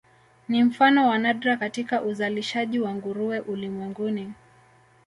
Ni mfano wa nadra katika uzalishaji wa nguruwe ulimwenguni.